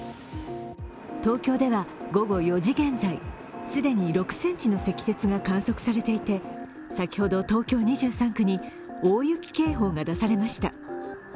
東京では午後４時現在、既に６ｃｍの積雪が観測されていて、先ほど、東京２３区に大雪警報が出されました。